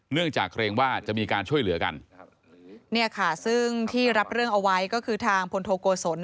เนื่องจากเกรงว่าจะมีการช่วยเหลือกันซึ่งที่รับเรื่องเอาไว้ก็คือทางพลโทโกศล